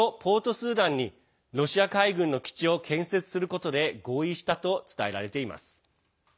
スーダンにロシア海軍の基地を建設することで合意したと伝えられています。